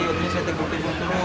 itu semakin jadi